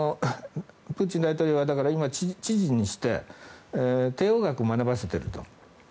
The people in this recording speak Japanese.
プーチン大統領はだから今、知事にして帝王学を学ばせていると。